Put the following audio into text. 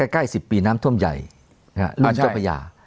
ใกล้๑๐ปีน้ำท่วมใหญ่ลุงเจ้าพระยา